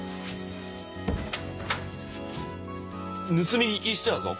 盗み聞きしてたぞ。